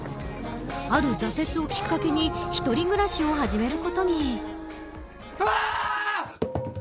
ある挫折をきっかけに１人暮らしを始めることにうわあ。